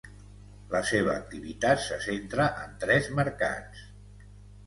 La seva activitat se centra en tres mercats: